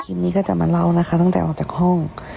นี้ก็จะมาเล่านะคะตั้งแต่ออกจากห้อง